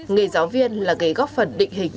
nghề giáo viên là ghế góp phần định hình